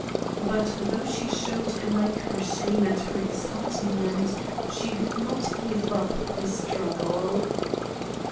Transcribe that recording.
But though she showed alike her shame and her disheartenment, she did not give up the struggle.